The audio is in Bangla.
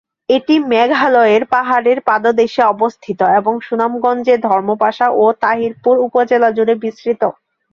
এটি মেঘালয় পাহাড়ের পাদদেশে অবস্থিত এবং সুনামগঞ্জের ধর্মপাশা ও তাহিরপুর উপজেলা জুড়ে বিস্তৃত।